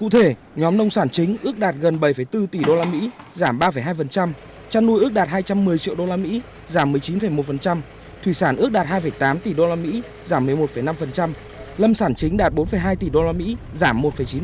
cụ thể nhóm nông sản chính ước đạt gần bảy bốn tỷ usd giảm ba hai chăn nuôi ước đạt hai trăm một mươi triệu usd giảm một mươi chín một thủy sản ước đạt hai tám tỷ usd giảm một mươi một năm lâm sản chính đạt bốn hai tỷ usd giảm một chín